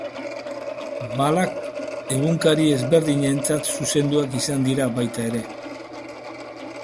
Balak egunkari ezberdinentzat zuzenduak izan dira baita ere.